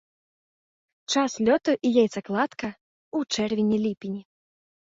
Час лёту і яйцакладка ў чэрвені-ліпені.